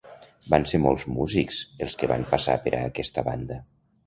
Van ser molts músics els que van passar per aquesta banda.